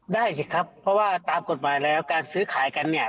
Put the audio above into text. สิครับเพราะว่าตามกฎหมายแล้วการซื้อขายกันเนี่ย